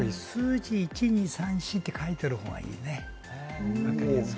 数字、１・２・３・４って書いてあるほうがいいね。